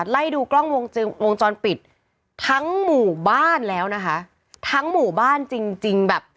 ไล่ดูกล้องวงจรปิดทั้งหมู่บ้านแล้วนะคะทั้งหมู่บ้านจริงจริงแบบ